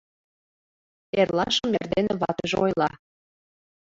Эрлашым эрдене ватыже ойла: